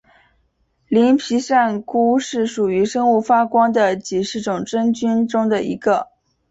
鳞皮扇菇是属于生物发光的几十种真菌中的一个。